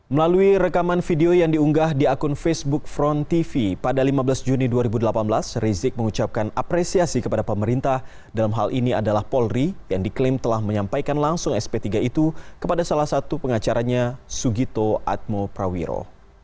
melalui rekaman video yang diunggah di akun facebook front tv pada lima belas juni dua ribu delapan belas rizik mengucapkan apresiasi kepada pemerintah dalam hal ini adalah polri yang diklaim telah menyampaikan langsung sp tiga itu kepada salah satu pengacaranya sugito atmo prawiro